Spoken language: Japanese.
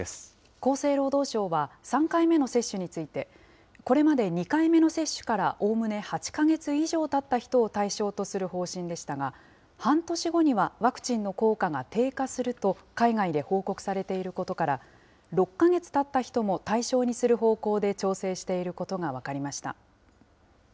厚生労働省は、３回目の接種について、これまで２回目の接種からおおむね８か月以上たった人を対象とする方針でしたが、半年後にはワクチンの効果が低下すると海外で報告されていることから、６か月たった人も対象にする方向で調整していることが分かりました。